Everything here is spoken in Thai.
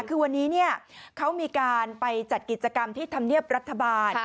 คือวันนี้เขามีการไปจัดกิจกรรมที่ธรรมเนียบรัฐบาล